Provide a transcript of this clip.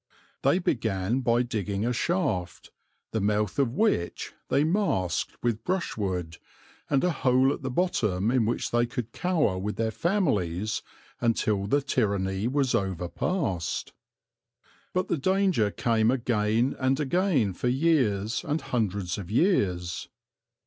They began by digging a shaft, the mouth of which they masked with brushwood, and a hole at the bottom in which they could cower with their families until the tyranny was overpast. But the danger came again and again for years and hundreds of years.